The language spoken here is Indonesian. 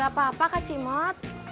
gak apa apa kak cimot